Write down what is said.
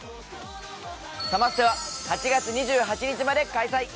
サマステは８月２８日まで開催。